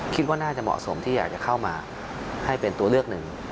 คิดว่าน่าจะเหมาะสมที่อยากจะเข้ามาให้เป็นตัวเลือกหนึ่ง